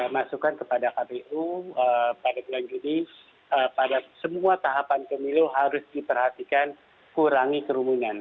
masukkan kepada kpu pada kemungkinan ini pada semua tahapan pemilu harus diperhatikan kurangi kerumunan